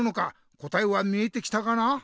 答えは見えてきたかな？